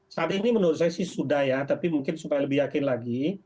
saat ini menurut saya sih sudah ya tapi mungkin supaya lebih yakin lagi